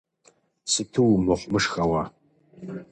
Сыту умыхъумышхэ уэ.